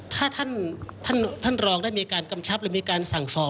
ถ้าท่านรองได้มีการกำชับหรือมีการสั่งสอบ